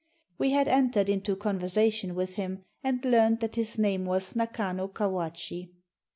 We had entered into conversation with him, and learned that his name was Nakano Kawachi.